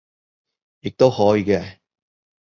亦都可以嘅